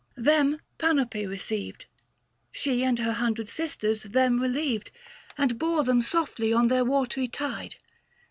Them Panope received ; 595 She and her hundred sisters them relieved, And bore them softly on their watery tide.